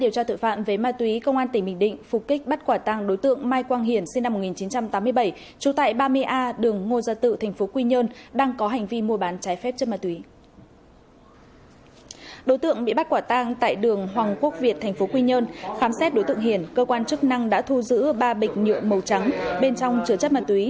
các bạn hãy đăng ký kênh để ủng hộ kênh của chúng mình nhé